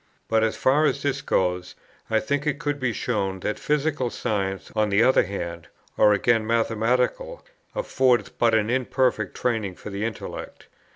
But, as far as this goes, I think it could be shown that physical science on the other hand, or again mathematical, affords but an imperfect training for the intellect.